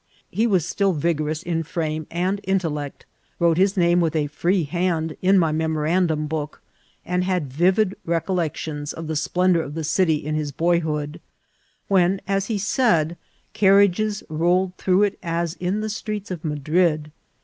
He was still vigorous in frame and intellect, wrote his name with a free hand in my memorandum book, and had vivid recollections of the splendour of the city in his boyhood, when, as he said, carriages rolled through it as in the streets of Ma drid.